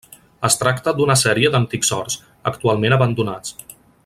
Es tracta d'una sèrie d'antics horts, actualment abandonats.